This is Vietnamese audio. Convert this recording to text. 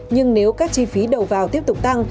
nhưng nếu các chi phí đầu vào tiếp tục tăng